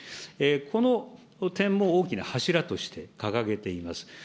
この点も大きな柱として掲げています。